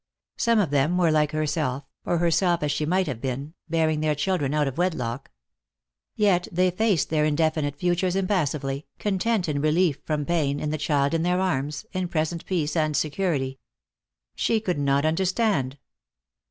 Some of them were like herself, or herself as she might have been, bearing their children out of wedlock. Yet they faced their indefinite futures impassively, content in relief from pain, in the child in their arms, in present peace and security. She could not understand.